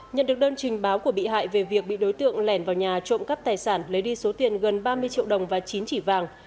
nhận được đơn trình báo của bị hại về việc bị đối tượng lẻn vào nhà trộm cắp tài sản lấy đi số tiền gần ba mươi triệu đồng và chín chỉ vàng